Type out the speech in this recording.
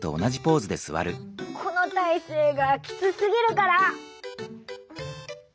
このたいせいがきつすぎるから！